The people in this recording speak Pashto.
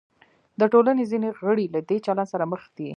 د ټولنې ځینې غړي له دې چلند سره مخ دي.